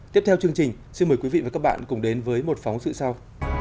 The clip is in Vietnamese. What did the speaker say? tiếp theo chương trình xin mời quý vị và các bạn cùng đến với một phóng sự sau